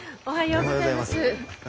おはようございます。